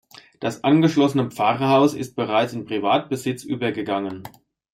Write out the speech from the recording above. Das angeschlossene Pfarrhaus ist bereits in Privatbesitz übergegangen.